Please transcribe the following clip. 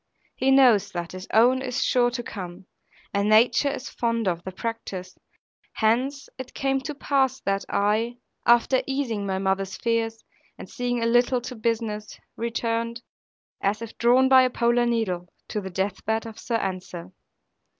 He knows that his own is sure to come; and nature is fond of the practice. Hence it came to pass that I, after easing my mother's fears, and seeing a little to business, returned (as if drawn by a polar needle) to the death bed of Sir Ensor.